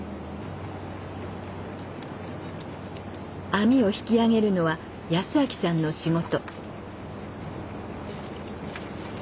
網を引き上げるのは康明さんの仕事。